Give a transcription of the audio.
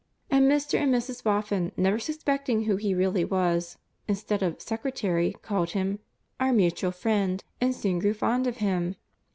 And Mr. and Mrs. Boffin, never suspecting who he really was, instead of "secretary," called him "Our Mutual Friend," and soon grew fond of him.